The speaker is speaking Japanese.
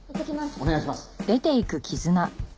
お願いします。